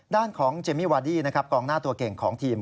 ด้านของเจมมี่วาดี้นะครับกองหน้าตัวเก่งของทีม